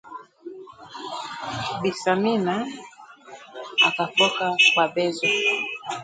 Bi Samina akafoka kwa bezo